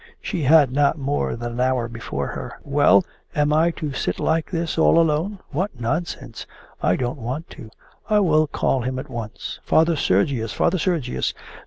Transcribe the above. She had not more than an hour before her. 'Well, am I to sit like this all alone? What nonsense! I don't want to. I will call him at once.' 'Father Sergius, Father Sergius!